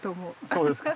そうですか。